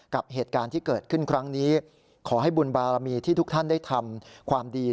กับเหตุการณ์ที่เกิดขึ้นครั้งนี้ขอให้บุญบารมีที่ทุกท่านได้ทำความดี